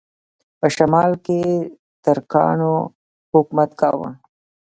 په شمال کې ترکانو حکومت کاوه.